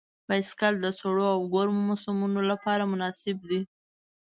بایسکل د سړو او ګرمو موسمونو لپاره مناسب دی.